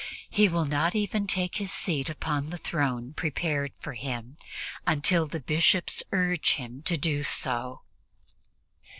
He will not even take his seat upon the throne prepared for him until the Bishops urge him to do so.